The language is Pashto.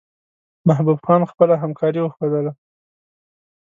محبوب خان خپله همکاري وښودله.